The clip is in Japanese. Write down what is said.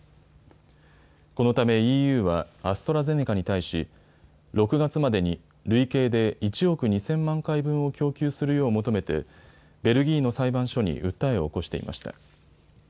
このためＥＵはアストラゼネカに対し６月までに累計で１億２０００万回分を供給するよう求めてベルギーの裁判所に訴えを起こしていました。